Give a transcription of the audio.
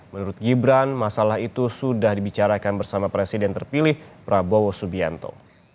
menurut gibran masalah itu sudah dibicarakan bersama presiden terpilih prabowo subianto